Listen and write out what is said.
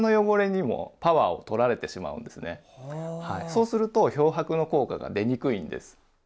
そうすると漂白の効果が出にくいんです。